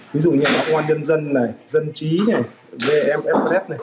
ví dụ như là công an nhân dân này dân trí này vmf này